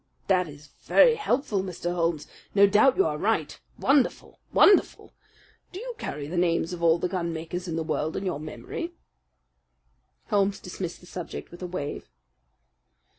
"That is very helpful, Mr. Holmes. No doubt you are right. Wonderful! Wonderful! Do you carry the names of all the gun makers in the world in your memory?" Holmes dismissed the subject with a wave.